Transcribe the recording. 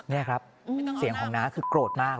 นี่ครับเสียงของน้าคือโกรธมาก